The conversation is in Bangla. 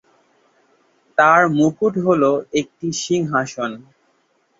তার মুকুট হল একটি সিংহাসন।